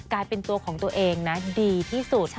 กลายเป็นตัวของตัวเองนะดีที่สุด